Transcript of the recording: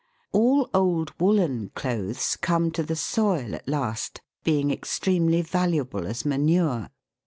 All old woollen clothes come to the soil at last, being extremely valuable as manure.